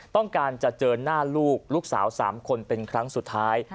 ต้องการจะเจอหน้าลูกลูกสาว๓คนเป็นครั้งสุดท้าย